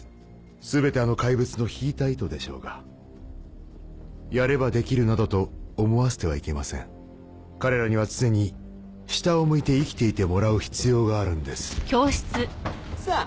すべてあの怪物の引いた糸でしょうがやればできるなどと思わせてはいけません彼らには常に下を向いて生きていてもらう必要があるんですさあ